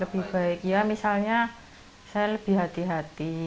lebih baik ya misalnya saya lebih hati hati